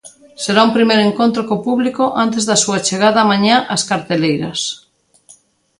Será un primeiro encontro co público antes da súa chegada mañá ás carteleiras.